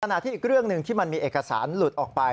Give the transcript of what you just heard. ขณะที่อีกเรื่องหนึ่งที่มันมีเอกสารหลุดออกไป